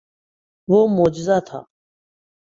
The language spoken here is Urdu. وہ معجزہ تھا۔